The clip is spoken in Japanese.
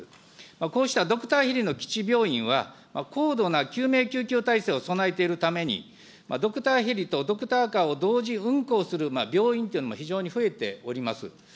こうしたドクターヘリの基地病院は、高度な救命救急体制を備えているために、ドクターヘリとドクターカーを同時運行する病院というのも非常に増えております。